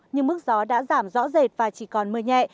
nhưng mức gió đã giảm rõ rệt và chỉ còn mưa nhẹ